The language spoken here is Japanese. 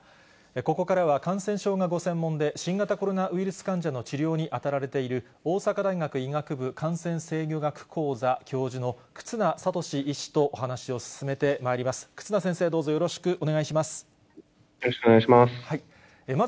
ここからは、感染症がご専門で、新型コロナウイルス患者の治療に当たられている大阪大学医学部感染制御学講座教授の忽那賢志医師とお話を進めてまいります。